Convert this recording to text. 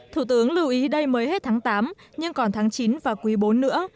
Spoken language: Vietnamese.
thủ tướng lưu ý đây mới hết tháng tám nhưng còn tháng chín và quý bốn nữa